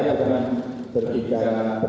saya tidak ada